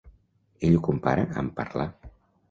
Ell ho compara amb "parlar".